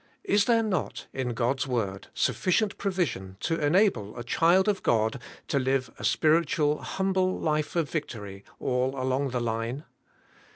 Is there not, in God's word, sufficient provision to enable a child of God to live a spiritual, humble life of victory all along the line